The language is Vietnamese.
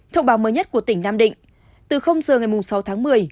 thông báo mới nhất của tỉnh nam định từ giờ ngày sáu tháng một mươi